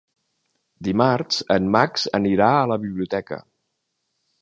Dimarts en Max anirà a la biblioteca.